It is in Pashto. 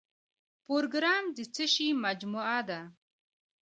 پروګرام د څه شی مجموعه ده؟